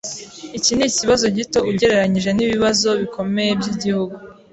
Iki nikibazo gito ugereranije nibibazo bikomeye byigihugu.